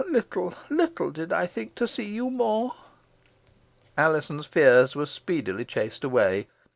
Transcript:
"Ah, little little did I think to see you more!" Alizon's fears were speedily chased away.